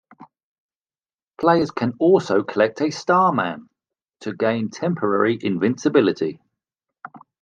Players can also collect a Starman to gain temporary invincibility.